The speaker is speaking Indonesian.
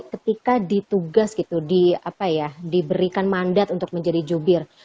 ketika ditugas gitu diberikan mandat untuk menjadi jubir